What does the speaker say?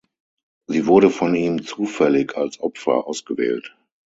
Sie wurde von ihm zufällig als Opfer ausgewählt.